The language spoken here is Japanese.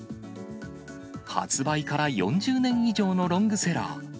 発売から４０年以上のロングセラー。